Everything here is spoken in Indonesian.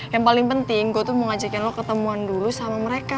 yang paling penting gue tuh mau ngajakin lo ketemuan dulu sama mereka